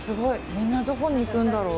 みんなどこに行くんだろう。